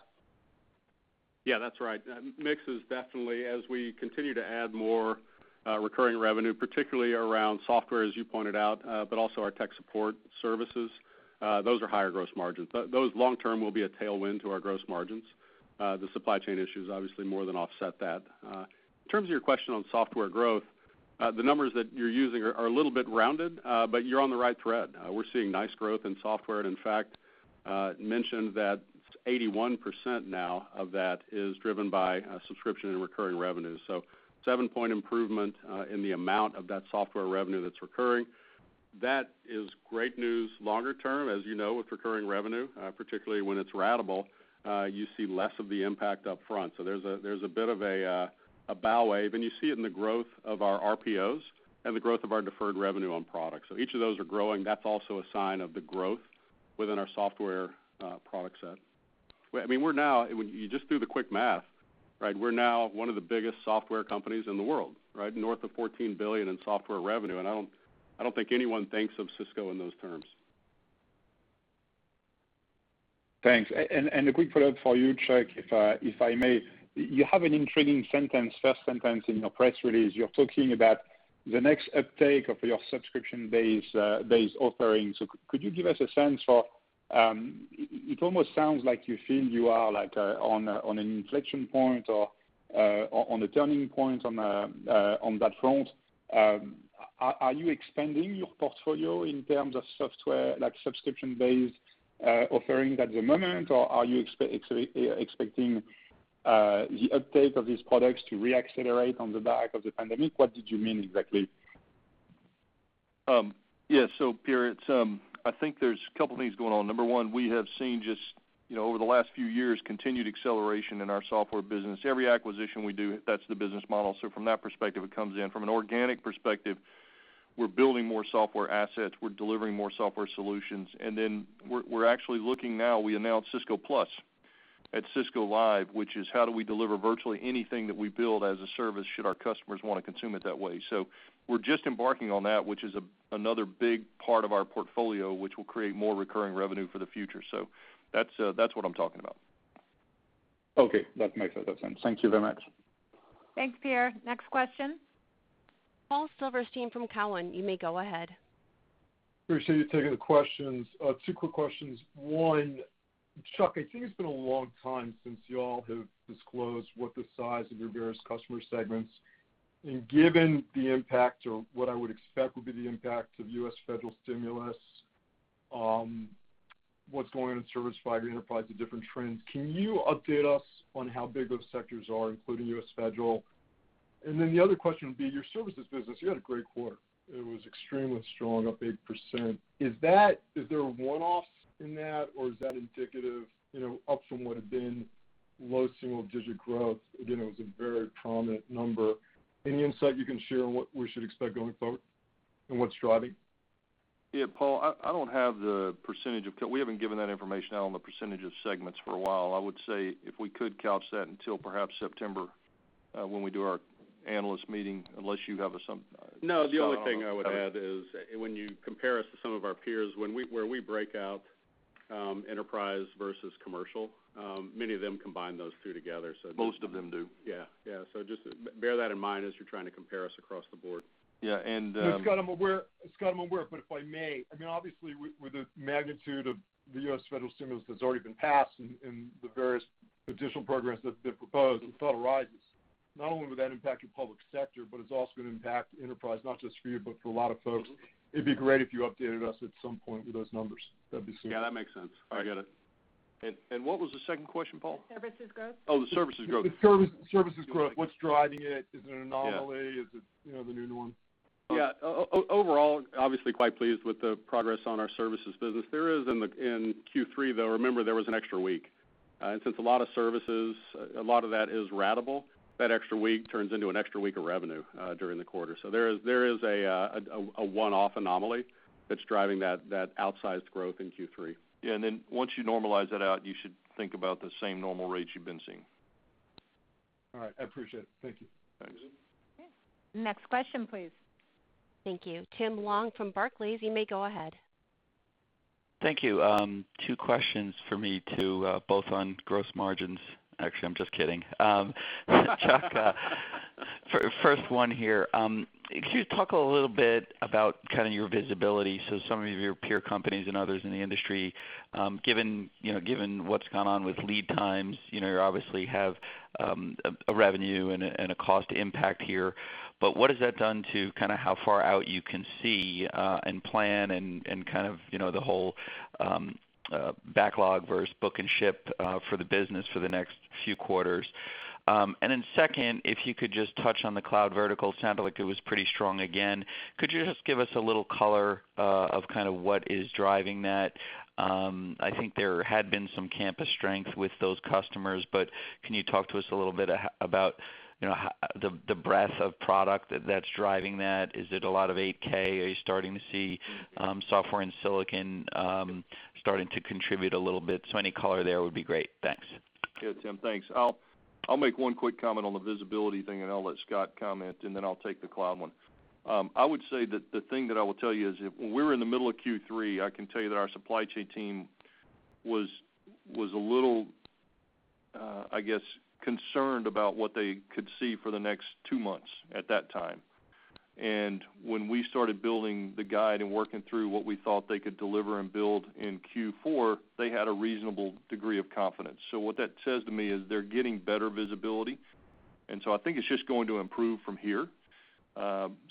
Speaker 4: Yeah, that's right. Mix is definitely as we continue to add more recurring revenue, particularly around software, as you pointed out, but also our tech support services, those are higher gross margins. Those long term will be a tailwind to our gross margins. The supply chain issues obviously more than offset that. In terms of your question on software growth, the numbers that you're using are a little bit rounded, but you're on the right thread. We're seeing nice growth in software. In fact, mentioned that 81% now of that is driven by subscription and recurring revenue. 7-point improvement in the amount of that software revenue that's recurring. That is great news longer term. As you know, with recurring revenue, particularly when it's ratable, you see less of the impact up front. There's a bit of a bow wave, and you see it in the growth of our RPOs and the growth of our deferred revenue on products. Each of those are growing. That's also a sign of the growth within our software product set. I mean, you just do the quick math, right? We're now one of the biggest software companies in the world, right? North of $14 billion in software revenue, and I don't think anyone thinks of Cisco in those terms.
Speaker 12: Thanks. A quick follow-up for you, Chuck, if I may. You have an intriguing sentence, first sentence in your press release. You're talking about the next uptake of your subscription base offering. Could you give us a sense for It almost sounds like you feel you are like on a, on an inflection point or on a turning point on that front. Are you expanding your portfolio in terms of software, like subscription-based offering at the moment, or are you expecting the uptake of these products to reaccelerate on the back of the pandemic? What did you mean exactly?
Speaker 3: Pierre, it's, I think there's two things going on. Number one, we have seen just, you know, over the last few years, continued acceleration in our software business. Every acquisition we do, that's the business model. From that perspective, it comes in. From an organic perspective, we're building more software assets. We're delivering more software solutions, we're actually looking now, we announced Cisco Plus at Cisco Live, which is how do we deliver virtually anything that we build as a service should our customers wanna consume it that way. We're just embarking on that, which is another big part of our portfolio, which will create more recurring revenue for the future. That's what I'm talking about.
Speaker 12: Okay. That makes a lot of sense. Thank you very much.
Speaker 2: Thanks, Pierre. Next question.
Speaker 1: Paul Silverstein from Cowen, you may go ahead.
Speaker 13: Appreciate you taking the questions. Two quick questions. One, Chuck, I think it's been a long time since you all have disclosed what the size of your various customer segments. Given the impact or what I would expect would be the impact of U.S. federal stimulus, what's going on in service fiber enterprise, the different trends, can you update us on how big those sectors are, including U.S. federal? The other question would be your services business. You had a great quarter. It was extremely strong, up 8%. Is there one-offs in that, or is that indicative, you know, up from what had been low single digit growth? Again, it was a very prominent number. Any insight you can share on what we should expect going forward and what's driving?
Speaker 3: Yeah, Paul, We haven't given that information out on the percentage of segments for a while. I would say if we could couch that until perhaps September, when we do our analyst meeting.
Speaker 4: No, the only thing I would add is when you compare us to some of our peers, where we break out enterprise versus commercial, many of them combine those two together.
Speaker 3: Most of them do.
Speaker 4: Yeah. Yeah. Just bear that in mind as you're trying to compare us across the board.
Speaker 3: Yeah.
Speaker 13: Scott, I'm aware. Scott, I'm aware but if I may, I mean, obviously with the magnitude of the U.S. federal stimulus that's already been passed and the various additional programs that they've proposed and federal rises, not only would that impact your public sector, but it's also gonna impact enterprise, not just for you, but for a lot of folks. It'd be great if you updated us at some point with those numbers. That'd be super.
Speaker 3: Yeah, that makes sense. I get it.
Speaker 4: All right.
Speaker 3: What was the second question, Paul?
Speaker 2: Services growth.
Speaker 3: Oh, the services growth.
Speaker 13: The services growth. What's driving it? Is it an anomaly?
Speaker 3: Yeah.
Speaker 13: Is it, you know, the new norm?
Speaker 4: Yeah. Overall, obviously quite pleased with the progress on our services business. There is in Q3, though, remember, there was an extra week. Since a lot of services, a lot of that is ratable, that extra week turns into an extra week of revenue during the quarter. There is a one-off anomaly that's driving that outsized growth in Q3.
Speaker 3: Yeah. Once you normalize that out, you should think about the same normal rates you've been seeing.
Speaker 13: All right. I appreciate it. Thank you.
Speaker 3: Thanks.
Speaker 2: Okay. Next question, please.
Speaker 1: Thank you. Tim Long from Barclays, you may go ahead.
Speaker 14: Thank you. Two questions for me too, both on gross margins. Actually, I'm just kidding. Chuck, first one here. Could you talk a little bit about kinda your visibility? Some of your peer companies and others in the industry, given, you know, given what's gone on with lead times, you know, you obviously have a revenue and a cost impact here. What has that done to kinda how far out you can see and plan and kind of, you know, the whole backlog versus book and ship for the business for the next few quarters? Second, if you could just touch on the cloud vertical. Sounded like it was pretty strong again. Could you just give us a little color of kinda what is driving that? I think there had been some campus strength with those customers, but can you talk to us a little bit about, you know, how the breadth of product that's driving that? Is it a lot of 8K? Are you starting to see software and silicon? Starting to contribute a little bit. Any color there would be great. Thanks.
Speaker 3: Yeah, Tim, thanks. I'll make one quick comment on the visibility thing and I'll let Scott comment, and then I'll take the cloud one. I would say that the thing that I will tell you is when we were in the middle of Q3, I can tell you that our supply chain team was a little concerned about what they could see for the next two months at that time. When we started building the guide and working through what we thought they could deliver and build in Q4, they had a reasonable degree of confidence. What that says to me is they're getting better visibility, and so I think it's just going to improve from here.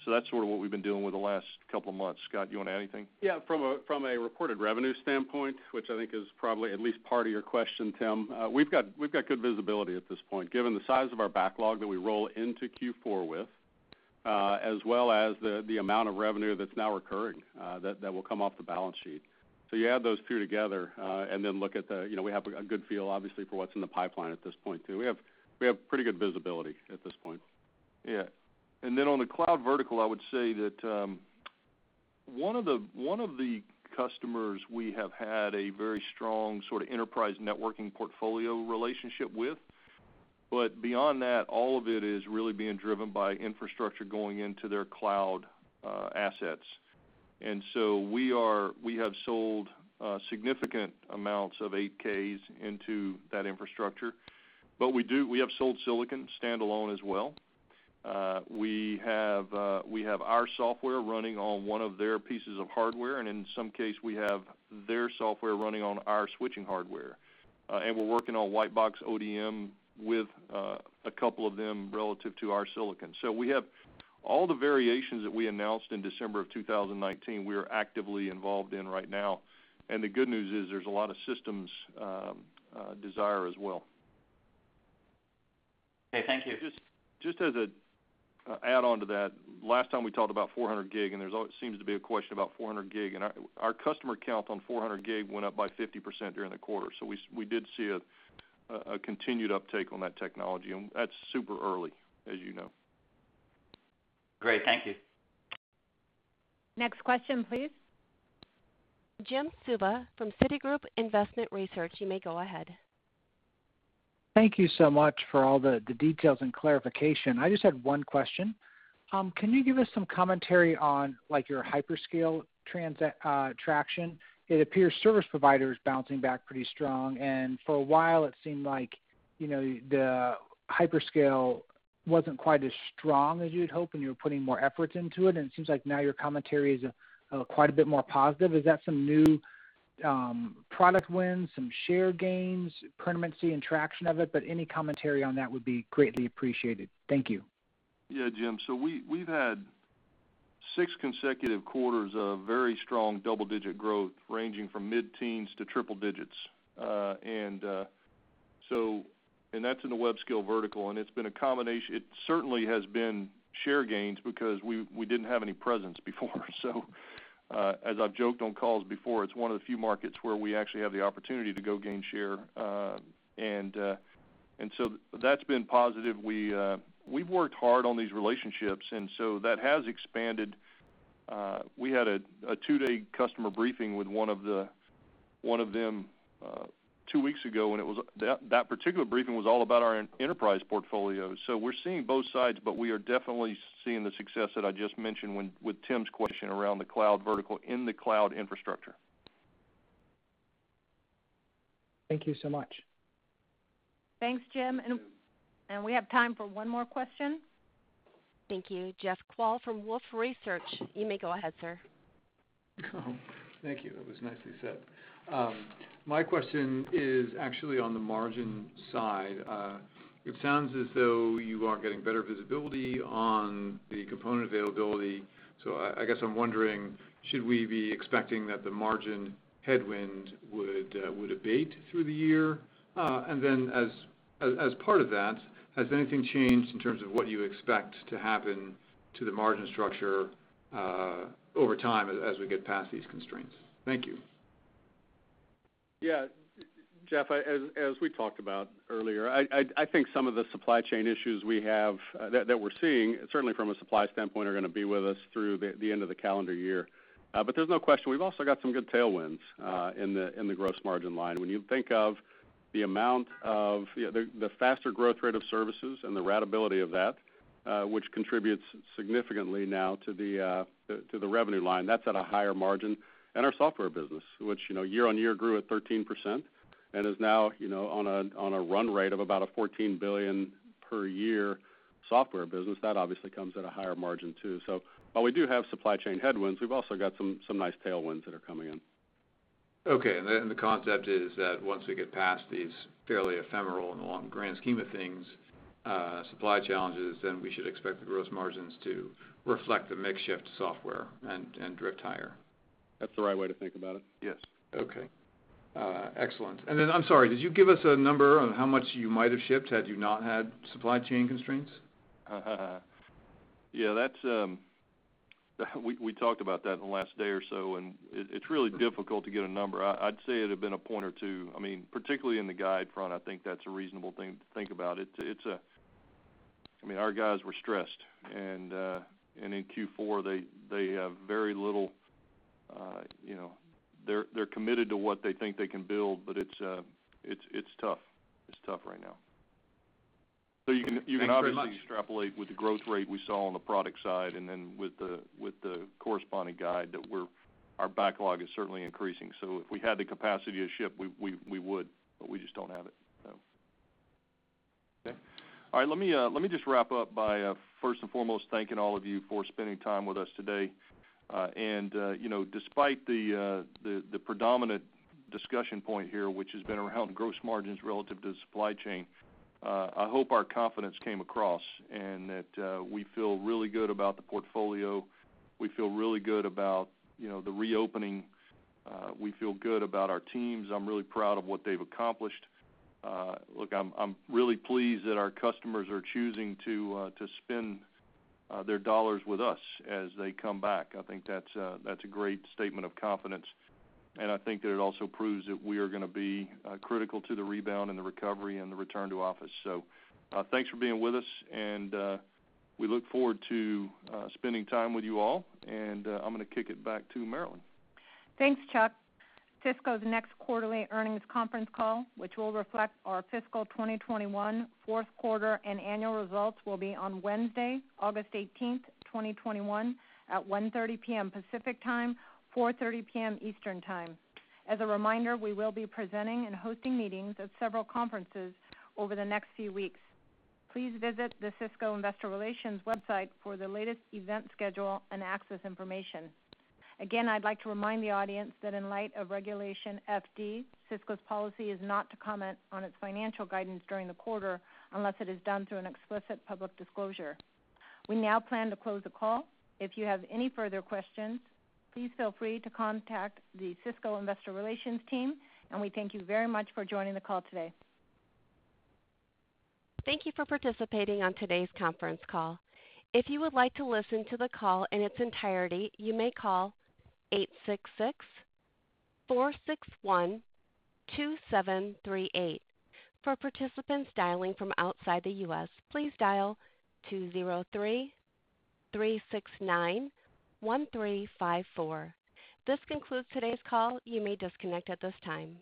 Speaker 3: That's sort of what we've been doing with the last couple of months. Scott, do you want to add anything?
Speaker 4: From a reported revenue standpoint, which I think is probably at least part of your question, Tim, we've got good visibility at this point, given the size of our backlog that we roll into Q4 with, as well as the amount of revenue that's now recurring, that will come off the balance sheet. You add those two together, and then look at the, you know, we have a good feel, obviously, for what's in the pipeline at this point, too. We have pretty good visibility at this point.
Speaker 3: Yeah. On the cloud vertical, I would say that one of the customers we have had a very strong sort of enterprise networking portfolio relationship with, but beyond that, all of it is really being driven by infrastructure going into their cloud assets. We have sold significant amounts of 8Ks into that infrastructure. We have sold Silicon One as well. We have our software running on one of their pieces of hardware, and in some case, we have their software running on our switching hardware. We're working on white box ODM with a couple of them relative to our silicon. We have all the variations that we announced in December of 2019, we are actively involved in right now. The good news is there's a lot of systems, desire as well.
Speaker 14: Okay. Thank you.
Speaker 3: Just as a add-on to that, last time we talked about 400G. There seems to be a question about 400G. Our customer count on 400G went up by 50% during the quarter. We did see a continued uptake on that technology, and that's super early, as you know.
Speaker 14: Great. Thank you.
Speaker 2: Next question, please.
Speaker 1: Jim Suva from Citigroup Investment Research, you may go ahead.
Speaker 15: Thank you so much for all the details and clarification. I just had one question. Can you give us some commentary on, like, your hyperscale traction? It appears service provider is bouncing back pretty strong, and for a while it seemed like, you know, the hyperscale wasn't quite as strong as you'd hoped, and you were putting more efforts into it. It seems like now your commentary is quite a bit more positive. Is that some new product wins, some share gains, permanency and traction of it? Any commentary on that would be greatly appreciated. Thank you.
Speaker 3: Yeah, Jim. We've had six consecutive quarters of very strong double-digit growth, ranging from mid-teens to triple digits. That's in the web scale vertical, and it's been a combination. It certainly has been share gains because we didn't have any presence before. As I've joked on calls before, it's one of the few markets where we actually have the opportunity to go gain share. That's been positive. We've worked hard on these relationships. That has expanded. We had a two-day customer briefing with one of them two weeks ago. That particular briefing was all about our enterprise portfolio. We're seeing both sides, but we are definitely seeing the success that I just mentioned with Tim's question around the cloud vertical in the cloud infrastructure.
Speaker 15: Thank you so much.
Speaker 2: Thanks, Jim. We have time for one more question.
Speaker 1: Thank you. Jeff Kvaal from Wolfe Research. You may go ahead, sir.
Speaker 16: Thank you. That was nicely said. My question is actually on the margin side. It sounds as though you are getting better visibility on the component availability. I guess I'm wondering, should we be expecting that the margin headwind would abate through the year? As part of that, has anything changed in terms of what you expect to happen to the margin structure over time as we get past these constraints? Thank you.
Speaker 3: Jeff, as we talked about earlier, I think some of the supply chain issues we have that we're seeing, certainly from a supply standpoint, are gonna be with us through the end of the calendar year. There's no question, we've also got some good tailwinds in the gross margin line. When you think of the amount of, you know, the faster growth rate of services and the ratability of that, which contributes significantly now to the revenue line, that's at a higher margin. Our software business, which, you know, year-over-year grew at 13% and is now, you know, on a run rate of about a $14 billion per year software business, that obviously comes at a higher margin, too. While we do have supply chain headwinds, we've also got some nice tailwinds that are coming in.
Speaker 16: Okay. The concept is that once we get past these fairly ephemeral in the long grand scheme of things, supply challenges, we should expect the gross margins to reflect the mix shift to software and drift higher.
Speaker 3: That's the right way to think about it, yes.
Speaker 16: Okay. Excellent. Then I'm sorry, did you give us a number on how much you might have shipped had you not had supply chain constraints?
Speaker 3: Yeah, that's, we talked about that in the last day or so, it's really difficult to get a number. I'd say it had been a point or two. I mean, particularly in the guide front, I think that's a reasonable thing to think about. I mean, our guys were stressed in Q4, they have very little, you know, they're committed to what they think they can build, but it's tough. It's tough right now.
Speaker 16: Thanks very much.
Speaker 3: You can obviously extrapolate with the growth rate we saw on the product side and then with the, with the corresponding guide that our backlog is certainly increasing. If we had the capacity to ship, we would, but we just don't have it. Okay. All right. Let me, let me just wrap up by, first and foremost, thanking all of you for spending time with us today. You know, despite the, the predominant discussion point here, which has been around gross margins relative to supply chain, I hope our confidence came across and that, we feel really good about the portfolio. We feel really good about, you know, the reopening. We feel good about our teams. I'm really proud of what they've accomplished. Look, I'm really pleased that our customers are choosing to spend, their dollars with us as they come back. I think that's a great statement of confidence, and I think that it also proves that we are gonna be, critical to the rebound and the recovery and the return to office. Thanks for being with us, and we look forward to spending time with you all. I'm gonna kick it back to Marilyn.
Speaker 2: Thanks, Chuck. Cisco's next quarterly earnings conference call, which will reflect our fiscal 2021 fourth quarter and annual results, will be on Wednesday, August 18th, 2021, at 1:30 P.M. Pacific Time, 4:30 P.M. Eastern Time. As a reminder, we will be presenting and hosting meetings at several conferences over the next few weeks. Please visit the Cisco Investor Relations website for the latest event schedule and access information. Again, I'd like to remind the audience that in light of Regulation FD, Cisco's policy is not to comment on its financial guidance during the quarter unless it is done through an explicit public disclosure. We now plan to close the call. If you have any further questions, please feel free to contact the Cisco Investor Relations team, and we thank you very much for joining the call today.
Speaker 1: Thank you for participating on today's conference call. This concludes today's call. You may disconnect at this time.